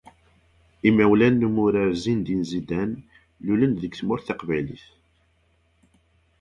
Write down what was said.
Imawlan n umurar Zineddine Zidane lulen-d deg Tmurt Taqbaylit.